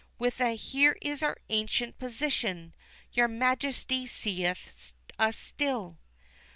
With a "Here in our ancient position, your Majesty seeth us still!"